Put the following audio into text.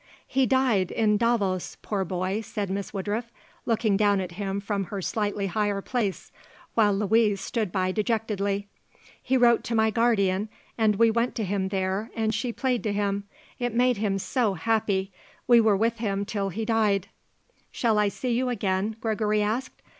"He died, in Davos, poor boy," said Miss Woodruff, looking down at him from her slightly higher place, while Louise stood by dejectedly. "He wrote to my guardian and we went to him there and she played to him. It made him so happy. We were with him till he died." "Shall I see you again?" Gregory asked.